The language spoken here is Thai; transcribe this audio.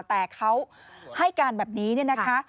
แต่เขาให้การแบบนี้เนี่ยนะคะ